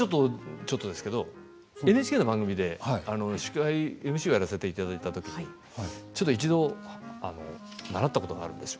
ちょっとですけどＮＨＫの番組でＭＣをやらせていただいた時一度、習ったことがあるんですよ。